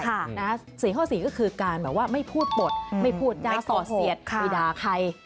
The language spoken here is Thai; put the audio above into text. สินที่ห้อสี่ก็คือการไม่พูดปลดไม่พูดตาส่อเซียด